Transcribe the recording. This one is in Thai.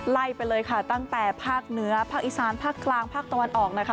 ไล่ไปเลยค่ะตั้งแต่ภาคเหนือภาคอีสานภาคกลางภาคตะวันออกนะคะ